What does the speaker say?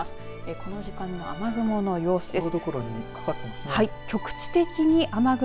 この時間の雨雲の様子です。